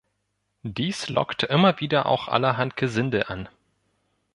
Dies lockt immer wieder auch allerhand Gesindel an.